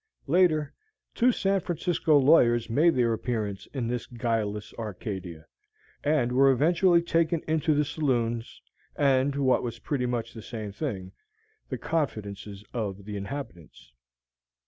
Later, two San Francisco lawyers made their appearance in this guileless Arcadia, and were eventually taken into the saloons, and what was pretty much the same thing the confidences of the inhabitants.